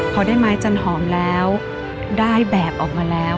พอได้ไม้จันหอมแล้วได้แบบออกมาแล้ว